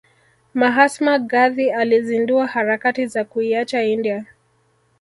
Mahatma Gandhi alizindua harakati za kuiacha india